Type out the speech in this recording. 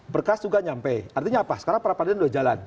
berkas juga nyampe artinya apa sekarang perapradilan udah jalan